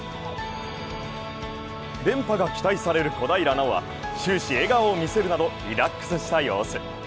連覇が期待される小平奈緒は終始笑顔を見せるなどリラックスした様子。